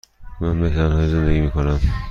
من به تنهایی زندگی می کنم.